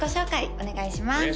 お願いします